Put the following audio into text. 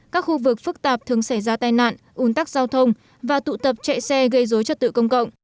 các khu vực phức tạp thường xảy ra tai nạn un tắc giao thông và tụ tập chạy xe gây dối trật tự công cộng